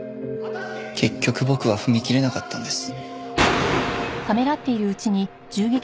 結局僕は踏み切れなかったんです。